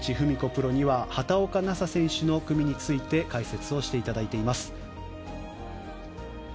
プロには畑岡奈紗選手の組について解説をしていただいています。